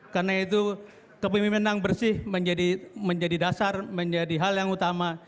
karena itu kepemimpinan yang bersih menjadi dasar menjadi hal yang utama